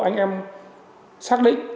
anh em xác định